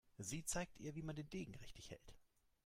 Sie zeigt ihr, wie man den Degen richtig hält.